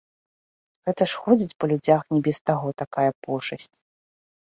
Гэта ж ходзіць па людзях, не без таго, такая пошасць.